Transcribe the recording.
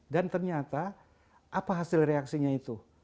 dan ternyata apa hasil reaksinya itu